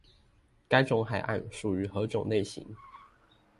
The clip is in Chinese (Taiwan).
該種海岸屬於何種類型？